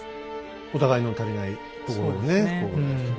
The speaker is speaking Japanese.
お互いの足りないところをね。